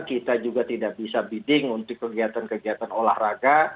kita juga tidak bisa bidding untuk kegiatan kegiatan olahraga